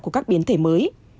của các biến thể mới